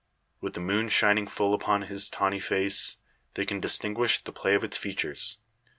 With the moon shining full upon his tawny face, they can distinguish the play of its features.